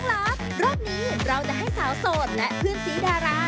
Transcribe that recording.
กับพอรู้ดวงชะตาของเขาแล้วนะครับ